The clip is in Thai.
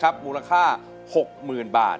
กลับไปก่อนที่สุดท้าย